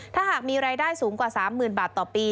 ถ้าหากมีรายได้สูงกว่า๓๐๐๐บาทต่อปี